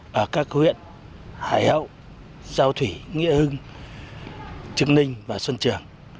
và các huyện hải hậu giao thủy nghĩa hưng trường ninh và xuân trường